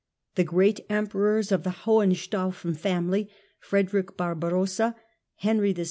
The great Emperors of the 1273^ Hohenstaufen family, Frederick Barbarossa, Henry VI.